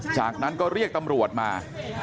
จากนั้นก็เรียกตำรวจมา